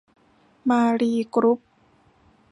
มาลีกรุ๊ป